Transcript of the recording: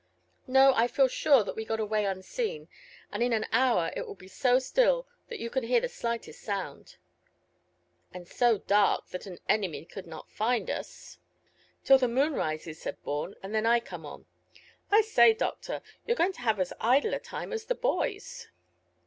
"No; I feel sure that we got away unseen, and in an hour it will be so still that you can hear the slightest sound." "And so dark that an enemy could not find us." "Till the moon rises," said Bourne, "and then I come on. I say, doctor, you're going to have as idle a time as the boys."